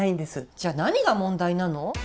じゃ何が問題なの？